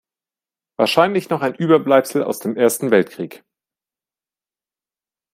Wahrscheinlich noch ein Überbleibsel aus dem Ersten Weltkrieg.